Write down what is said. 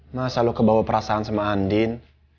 masa lalu kebawa perasaan sama andin